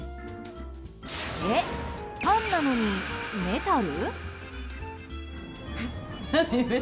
え、パンなのにメタル？